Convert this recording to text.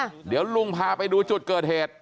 ครับลุงพาไปดูจุดเกิดเหตุ